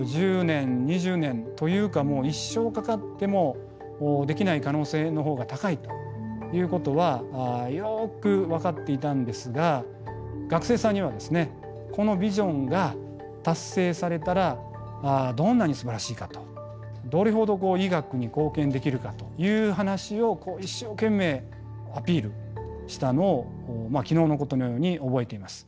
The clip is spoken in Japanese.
１０年２０年というか一生かかってもできない可能性の方が高いということはよく分かっていたんですが学生さんにはですねこのビジョンが達成されたらどんなにすばらしいかとどれほど医学に貢献できるかという話を一生懸命アピールしたのを昨日のことのように覚えています。